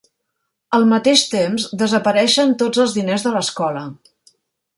Al mateix temps, desapareixen tots els diners de l'escola.